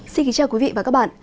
xin kính chào quý vị và các bạn